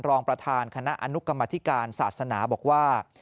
รองประธานคณะอนุกรรมธิการศาสนาบอกว่า